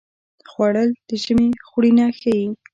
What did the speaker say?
خوړل د ژمي خوړینه ښيي